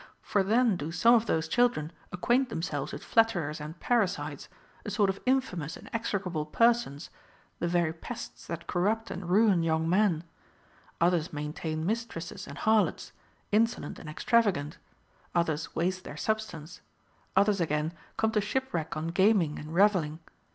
For then do some of those children acquaint themselves with flatterers and parasites, a sort of infamous and execra ble persons, the very pests that corrupt and ruin young men ; others maintain mistresses and harlots, insolent and extravagant ; others waste their substance ; others, again, come to shipwreck on gaming and revelling.